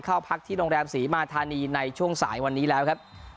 เข้าพักที่โรงแรมศรีมาธานีในช่วงสายวันนี้แล้วครับ